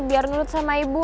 biar nurut sama ibu